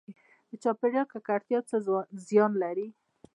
د چاپیریال ککړتیا څه زیان لري؟